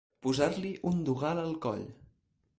Posar-li un dogal al coll.